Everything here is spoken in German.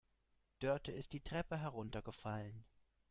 Dörte ist die Treppe heruntergefallen.